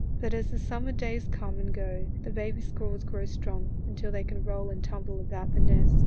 But as the summer days come and go the baby squirrels grow strong until they can roll and tumble about the nest.